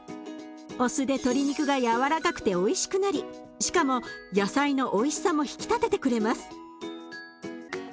お酢で鶏肉がやわらかくておいしくなりしかも野菜のおいしさも引き立ててくれます。